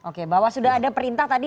oke bahwa sudah ada perintah tadi